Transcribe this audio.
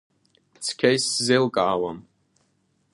Цқьа исзеилкаауам.